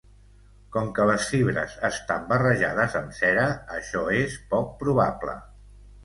Com que les fibres estan barrejades amb cera, això és poc probable.